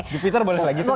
jupiter boleh lagi tuh